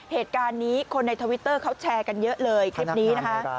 เหตุการณ์นี้คนในทวิตเตอร์เขาแชร์กันเยอะเลยคลิปนี้นะคะ